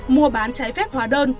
mua bán trái phép hỏa đơn